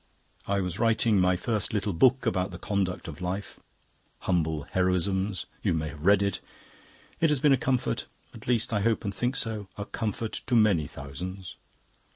I was writing my first little book about the Conduct of Life 'Humble Heroisms'. You may have read it; it has been a comfort at least I hope and think so a comfort to many thousands.